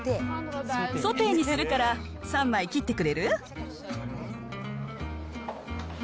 ソテーにするから、３枚切ってくれる？